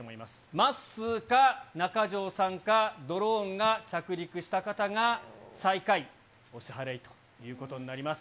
まっすーか、中条さんか、ドローンが着陸した方が最下位、お支払いということになります。